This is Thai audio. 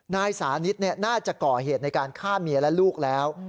นายสานิทน่าจะก่อเหตุในการฆ่าเมียและลูกแล้ว